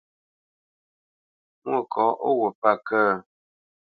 Mwôkɔ̌, ó wut pə̂ kə̂?